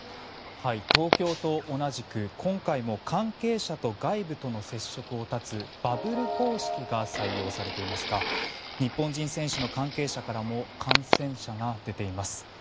東京と同じく今回も関係者と外部との接触を絶つバブル方式が採用されていますが日本人選手の関係者からも感染者が出ています。